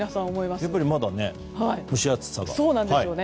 やっぱりまだ蒸し暑さが。